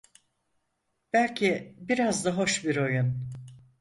Belki biraz da hoş bir oyun…